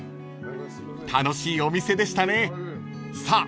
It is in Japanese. ［楽しいお店でしたねさあ